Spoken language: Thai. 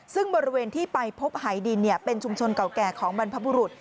ซึ่งบริเวณที่ไปพบหายดินเป็นชุมชนเก่าแก่ของบรรพบุรุษ